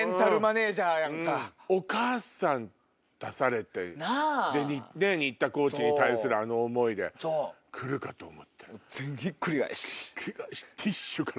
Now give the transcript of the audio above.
お母さん出されてで新田コーチに対するあの思いで来るかと思ったら。